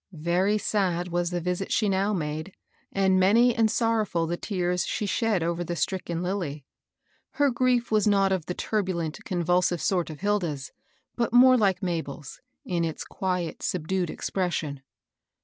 Very sad was the visit she now made, and many and sorrow&I tfie tears she shed over the stricken Lilly. Her grief was not of the turbulent, con vulsive sort of Hilda's, but more like Mabel's, in its quiet, subdued expression.